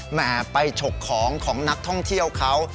แห่ไปฉกของของนักท่องเที่ยวเขา